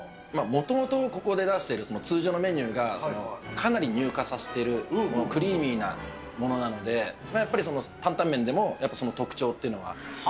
もともと、ここで出してる通常のメニューが、かなり乳化させてる、クリーミーなものなので、やっぱりその担々麺でも、やっぱその特徴っていうのは。